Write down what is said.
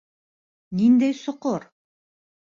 Ниндәй соҡор?